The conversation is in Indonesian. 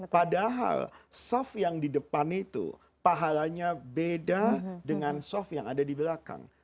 padahal sof yang di depan itu pahalanya beda dengan soft yang ada di belakang